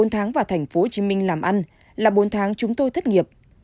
bốn tháng vào tp hcm làm ăn là bốn tháng chúng tôi thất nghiệp